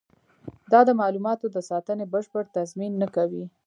دا د معلوماتو د ساتنې بشپړ تضمین نه کوي.